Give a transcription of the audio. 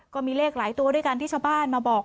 ก็มีเลขหลายตัวด้วยกันที่ชาวบ้านมาบอก